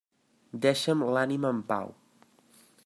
Deixa'm l'ànima en pau.